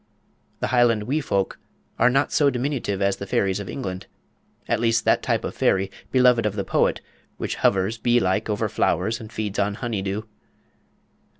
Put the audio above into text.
The Highland "wee folk" are not so diminutive as the fairies of England at least that type of fairy, beloved of the poet, which hovers bee like over flowers and feeds on honey dew.